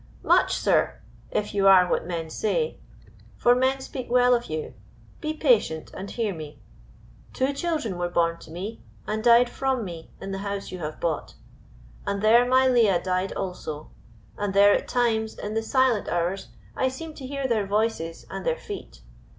"Much, sir, if you are what men say; for men speak well of you; be patient, and hear me. Two children were born to me and died from me in the house you have bought; and there my Leah died also; and there at times in the silent hours I seem to hear their voices and their feet.